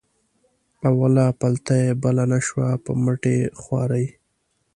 اوله پلته یې بله نه شوه په مټې خوارۍ.